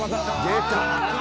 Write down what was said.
出た。